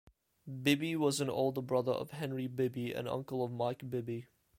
Bibby was an older brother of Henry Bibby and uncle of Mike Bibby.